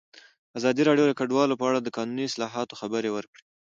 ازادي راډیو د کډوال په اړه د قانوني اصلاحاتو خبر ورکړی.